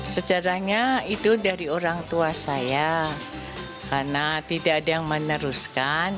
sejarahnya itu dari orang tua saya karena tidak ada yang meneruskan